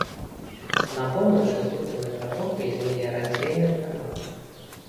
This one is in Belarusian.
На поўначы злучаны пратокай з меліярацыйным каналам.